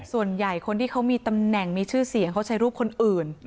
ส่วนใหญ่คนที่เขามีตำแหน่งมีชื่อเสียงเขาใช้รูปคนอื่น